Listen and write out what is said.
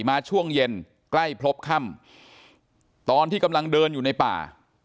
มาช่วงเย็นใกล้พบค่ำตอนที่กำลังเดินอยู่ในป่า